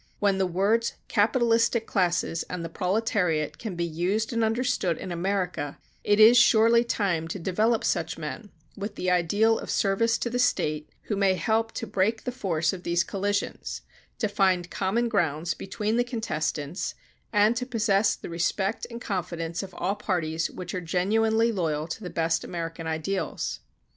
When the words "capitalistic classes" and "the proletariate" can be used and understood in America it is surely time to develop such men, with the ideal of service to the State, who may help to break the force of these collisions, to find common grounds between the contestants and to possess the respect and confidence of all parties which are genuinely loyal to the best American ideals.